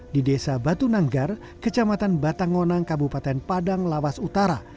di desa batu nanggar kecamatan batangonang kabupaten padang lawas utara